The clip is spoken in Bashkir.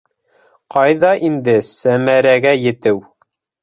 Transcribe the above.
Ҡайҙа инде Сәмәрәгә етеү!